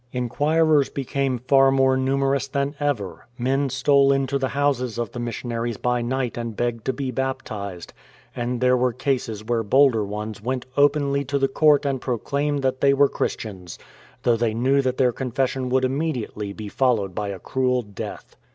Inquirers became far more numerous than ever ; men stole into the houses of the missionaries by night and begged to be baptized ; and there were cases where bolder ones went openly to the court and proclaimed that they were Christians, though they knew that their confession would immediately be followed by a cruel death.